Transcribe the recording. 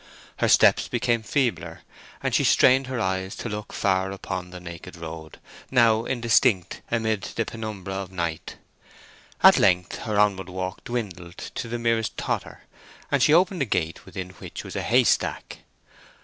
Her steps became feebler, and she strained her eyes to look afar upon the naked road, now indistinct amid the penumbræ of night. At length her onward walk dwindled to the merest totter, and she opened a gate within which was a haystack.